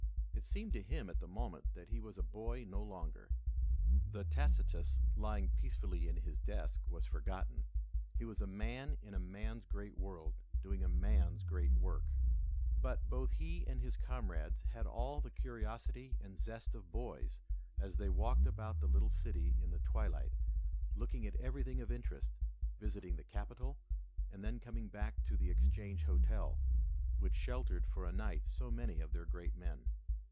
It seemed to him at the moment that he was a boy no longer. The Tacitus lying peacefully in his desk was forgotten. He was a man in a man's great world, doing a man's great work. But both he and his comrades had all the curiosity and zest of boys as they walked about the little city in the twilight, looking at everything of interest, visiting the Capitol, and then coming back to the Exchange Hotel, which sheltered for a night so many of their great men.